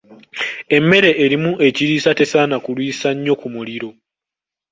Emmere erimu ekiriisa tesaana kulwisa nnyo ku muliro.